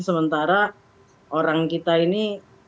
sementara orang kita ini